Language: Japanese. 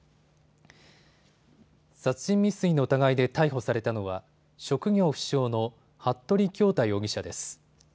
殺人未遂の疑いで逮捕されたのは職業不詳の服部恭太容疑者です。